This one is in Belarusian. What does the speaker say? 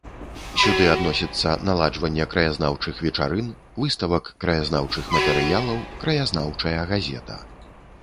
Сюды адносіцца наладжванне краязнаўчых вечарын, выставак краязнаўчых матэрыялаў, краязнаўчая газета.